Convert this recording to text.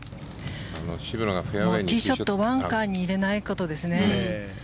ティーショットをバンカーに入れないことですね。